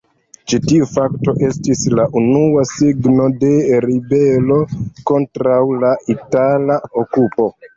Ĉi tiu fakto estis la unua signo de ribelo kontraŭ la itala okupo.